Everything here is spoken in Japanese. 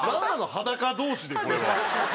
裸同士でこれは。